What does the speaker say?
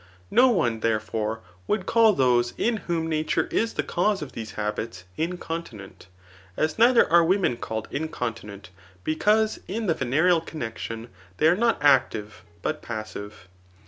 No one, therefore, would call those in whom nature is the cause of these habits, incontinent ; as neither are women called incon tinent, because in the venereal connexion they ace not active, but passive.